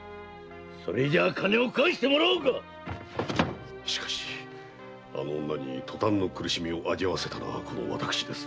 それじゃ金を返してもらおうかあの女に塗炭の苦しみを味わわせたのはこの私です。